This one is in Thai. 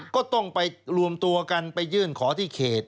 ก็ต้องไปรวมตัวกันไปยื่นขอที่เขต